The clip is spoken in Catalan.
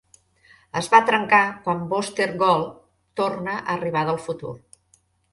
Es va trencar quan Booster Gold torna a arribar del futur.